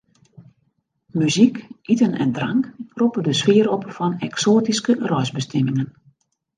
Muzyk, iten en drank roppe de sfear op fan eksoatyske reisbestimmingen.